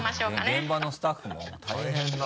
現場のスタッフも大変だな。